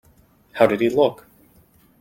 How did he look?